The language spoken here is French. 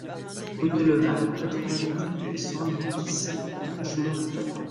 Rue de Leval, quatre-vingt-dix mille cent dix Rougemont-le-Château